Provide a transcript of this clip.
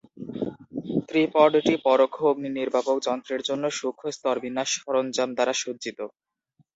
ত্রিপডটি পরোক্ষ অগ্নিনির্বাপক যন্ত্রের জন্য সূক্ষ্ম স্তরবিন্যাস সরঞ্জাম দ্বারা সজ্জিত।